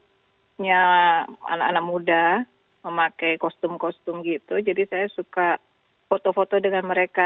karena biasanya anak anak muda memakai kostum kostum gitu jadi saya suka foto foto dengan mereka